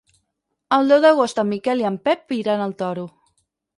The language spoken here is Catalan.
El deu d'agost en Miquel i en Pep iran al Toro.